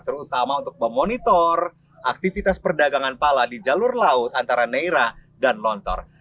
terutama untuk memonitor aktivitas perdagangan pala di jalur laut antara neira dan lontor